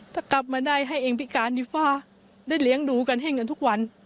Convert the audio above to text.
ถ้ากลับมาได้ให้เองพิการดีกว่าได้เลี้ยงดูกันให้เงินทุกวัน